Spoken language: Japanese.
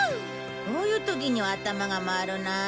こういう時には頭が回るなあ。